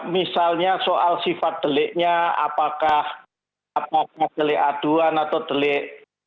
misalnya soal sifat deliknya apakah delik aduan atau delik